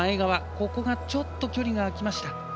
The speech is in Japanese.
ここがちょっと距離が開きました。